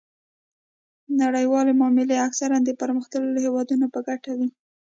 نړیوالې معاملې اکثراً د پرمختللو هیوادونو په ګټه وي